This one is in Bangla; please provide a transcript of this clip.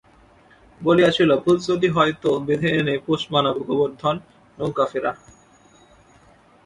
বলিয়াছিল, ভূত যদি হয় তো বেঁধে এনে পোষ মানাব গোবর্ধন, নৌকা ফেরা।